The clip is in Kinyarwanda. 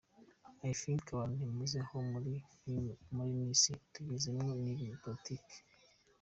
I think abantu ntimuzi aho muri nisi tugezemwo ibi ni politike .